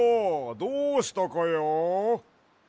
どうしたかや？